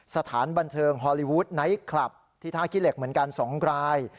สถานบันเทิงฮอลลีวูดไนท์คลับที่ท่าขี้เหล็กเหมือนกัน๒ราย